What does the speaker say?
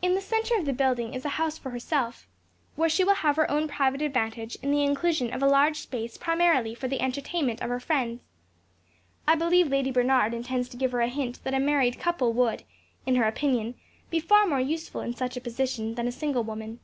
In the centre of the building is a house for herself, where she will have her own private advantage in the inclusion of large space primarily for the entertainment of her friends. I believe Lady Bernard intends to give her a hint that a married couple would, in her opinion, be far more useful in such a position than a single woman.